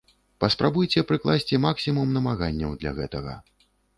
Паспрабуйце прыкласці максімум намаганняў для гэтага.